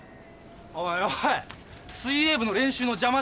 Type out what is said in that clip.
おいおい水泳部の練習の邪魔だ。